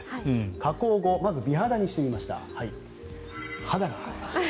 加工後まず美肌にしてみました。